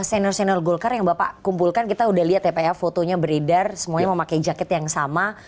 senior senior golkar yang bapak kumpulkan kita udah lihat ya pak ya fotonya beredar semuanya memakai jaket yang sama